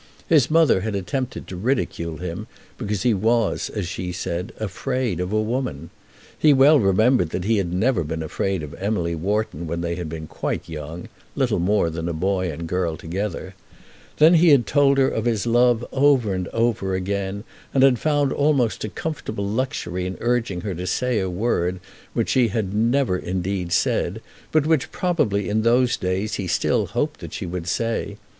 His mother had attempted to ridicule him, because he was, as she said, afraid of a woman. He well remembered that he had never been afraid of Emily Wharton when they had been quite young, little more than a boy and girl together. Then he had told her of his love over and over again, and had found almost a comfortable luxury in urging her to say a word, which she had never indeed said, but which probably in those days he still hoped that she would say.